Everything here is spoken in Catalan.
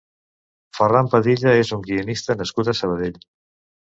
Ferran Padilla és un guionista nascut a Sabadell.